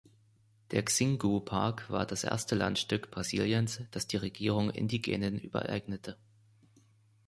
Der Xingu-Park war das erste Landstück Brasiliens, das die Regierung Indigenen übereignete.